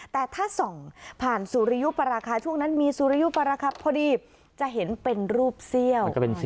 แต่ถ้าส่องผ่านสุริยุปราคาช่วงนั้นมีสุริยุปรคับพอดีจะเห็นเป็นรูปเซี่ยว